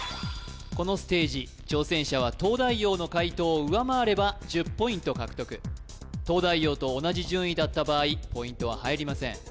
このステージ挑戦者は東大王の解答を上回れば１０ポイント獲得東大王と同じ順位だった場合ポイントは入りません